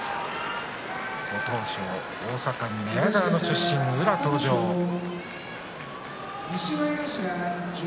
ご当所、大阪・寝屋川出身の宇良が登場です。